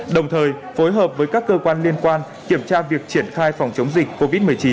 đồng thời phối hợp với các cơ quan liên quan kiểm tra việc triển khai phòng chống dịch covid một mươi chín